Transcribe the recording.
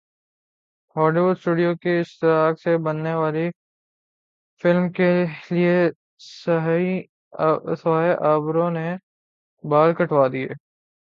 Holi would studio کے اشتراک سے بننے والی فلم کیلئے سہائی ابڑو نے بال کٹوادیے